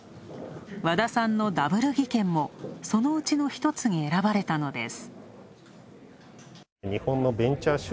和田さんのダブル技研もそのうちの１つに選ばれたのです。